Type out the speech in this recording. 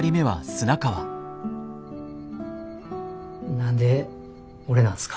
何で俺なんですか？